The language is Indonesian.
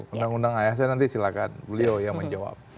undang undang ayah saya nanti silakan beliau yang menjawab